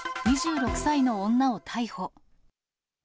２６歳の女を逮捕。